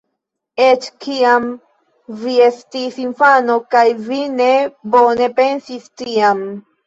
Eĉ kiam vi estis infano, kaj vi ne bone pensis tiam.